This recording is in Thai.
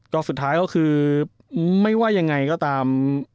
ก็สุดท้ายก็คือไม่ว่ายังไงก็ตาม